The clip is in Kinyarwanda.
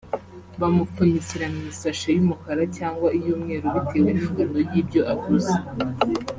bamupfunyikira mu isashe y’umukara cyangwa iy’umweru bitewe n’ingano y’ibyo aguze